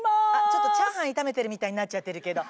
ちょっとチャーハン炒めてるみたいになっちゃってるけど。